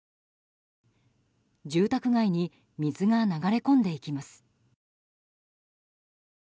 住宅街に水が流れ込んでいきます。